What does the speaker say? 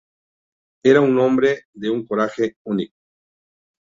Era un hombre de un coraje único.